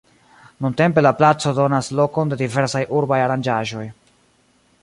Nuntempe la placo donas lokon de diversaj urbaj aranĝaĵoj.